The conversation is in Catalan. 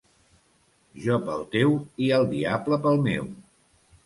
Jo pel teu i el diable pel meu.